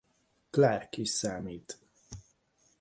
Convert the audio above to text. Clark is számít.